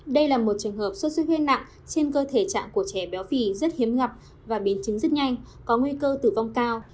đây là một trường hợp sốt xuất huyết nặng trên cơ thể trạng của trẻ béo phì rất hiếm gặp và biến chứng rất nhanh có nguy cơ tử vong cao